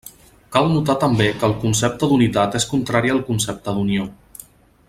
Cal notar també que el concepte d'unitat és contrari al concepte d'unió.